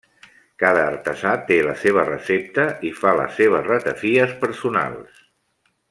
Cada artesà té la seva recepta i fa les seves ratafies personals.